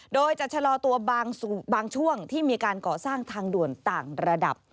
โดยจะชะลอตัวบางช่วงที่มีการก่อสร้างทางด่วนต่างระดับ